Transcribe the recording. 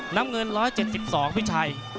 น้ำเงิน๑๗๒พี่ชัย